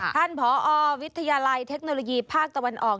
ท่านผอวิทยาลัยเทคโนโลยีภาคตะวันออก